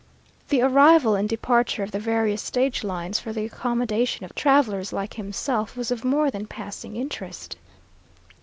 The arrival and departure of the various stage lines for the accommodation of travelers like himself was of more than passing interest.